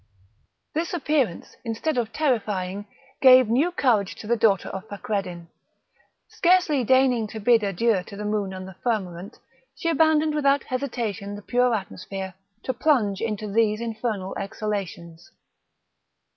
This appearance, instead of terrifying, gave new courage to the daughter of Fakreddin. Scarcely deigning to bid adieu to the moon and the firmament, she abandoned without hesitation the pure atmosphere to plunge into these infernal exhalations.